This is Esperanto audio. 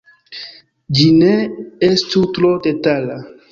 Ĝi ne estu tro detala.